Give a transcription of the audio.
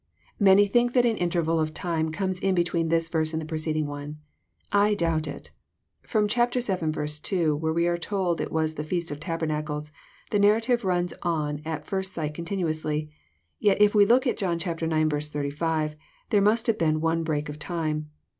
'] Many think that an interval of time comes in between this verse and the preceding one. I donbt It. From chap. vii. 2, where we are told it was the feast of tabernacles, the narrative runs on at first sight continuonsly ; yet if we look at John ix. 85, there mast have been one break of time.